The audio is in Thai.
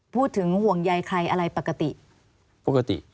พูดถึงห่วงใยใครอะไรปกติ